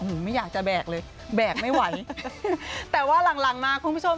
ไม่อยากจะแบกเลยแบกไม่ไหวแต่ว่าหลังหลังมาคุณผู้ชม